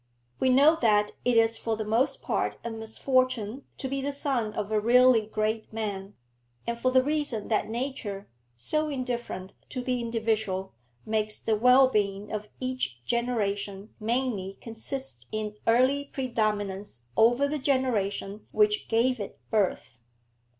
We know that it is for the most part a misfortune to be the son of a really great man, and for the reason that nature, so indifferent to the individual, makes the well being of each generation mainly consist in early predominance over the generation which gave it birth.